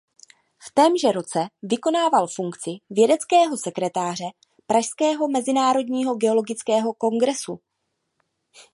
V témže roce vykonával funkci vědeckého sekretáře pražského Mezinárodního geologického kongresu.